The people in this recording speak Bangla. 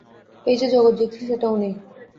এই যে জগৎ দেখছিস, এটাও নেই।